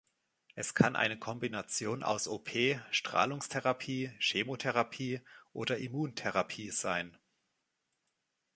Es kann eine Kombination aus OP, Strahlungstherapie, Chemotherapie oder Immuntherapie sein.